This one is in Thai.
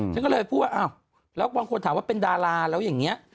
ฉันก็เลยพูดว่าอ้าวแล้วบางคนถามว่าเป็นดาราแล้วอย่างนี้